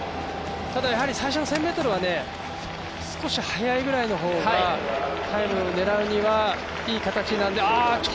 ただ最初の１０００ｍは少しはやいぐらいの方がタイム狙うにはいい形なんで。